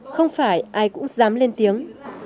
không phải ai cũng dám lên tiếng